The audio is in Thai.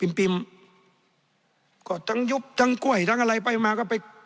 ปิมก็ทั้งยุบทั้งกล้วยทั้งอะไรไปมาก็ไป